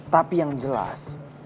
tapi yang jelas